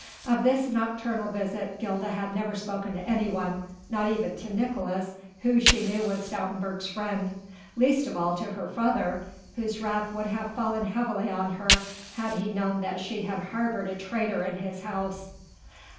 Of this nocturnal visit Gilda had never spoken to anyone, not even to Nicolaes who she knew was Stoutenburg's friend, least of all to her father, whose wrath would have fallen heavily on her had he known that she had harboured a traitor in his house.